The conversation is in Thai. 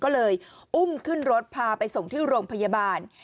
ก็เลยอุ้มขึ้นรถพาไปส่งที่โรงพยาบาล